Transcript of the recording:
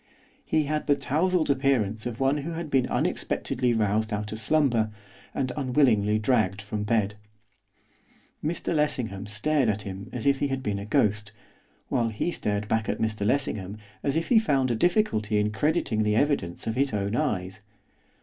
He had the tousled appearance of one who had been unexpectedly roused out of slumber, and unwillingly dragged from bed. Mr Lessingham stared at him as if he had been a ghost, while he stared back at Mr Lessingham as if he found a difficulty in crediting the evidence of his own eyes.